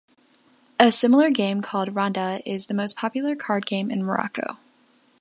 A similar game called Ronda is the most popular card game in Morocco.